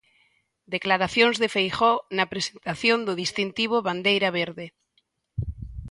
Declaracións de Feijóo na presentación do distintivo bandeira verde.